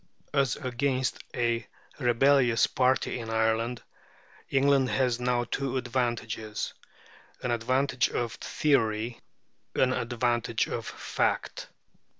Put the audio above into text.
As against a rebellious party in Ireland, England has now two advantages an advantage of theory, an advantage of fact.